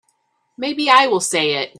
Maybe I will say it.